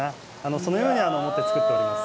そのように思って作っております。